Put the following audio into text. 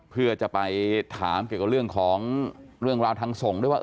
เพื่อจะไปถามเกี่ยวกับเรื่องของเรื่องราวทางส่งด้วยว่า